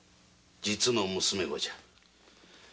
実の娘ごじゃ。